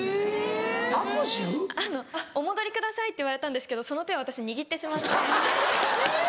「お戻りください」って言われたんですけどその手を私握ってしまって。